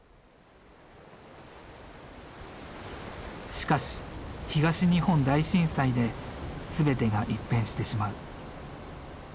しかし東日本大震災で全てが一変してしまう。